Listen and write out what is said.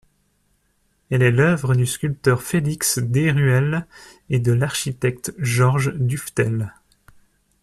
Elle est l’œuvre du sculpteur Félix Desruelles et de l'architecte Georges Dufetel.